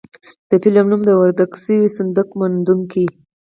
د فلم نوم و د ورک شوي صندوق موندونکي.